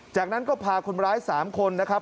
จากนั้นก็พาคนร้าย๓คนนะครับ